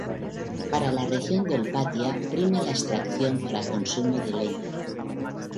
Para la región del Patía prima la extracción para consumo de leña.